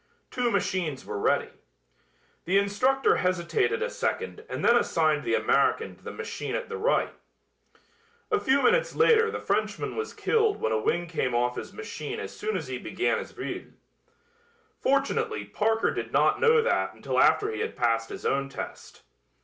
Two machines were ready. The instructor hesitated a second and then assigned the American to the machine at the right. A few minutes later the Frenchman was killed when a wing came off his machine as soon as he began his vrille. Fortunately Parker did not know that until after he had passed his own test.